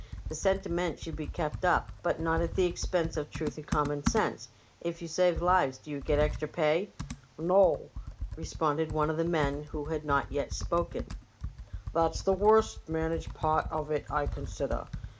'' The senti ment should be kept up, but not at the expense of truth and common sense. If you save lives do you get extra pay ?"" No," responded one of the men who had not yet spoken; '' that's the worst managed part of it, I consider.